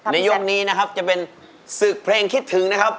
ยกนี้นะครับจะเป็นศึกเพลงคิดถึงนะครับ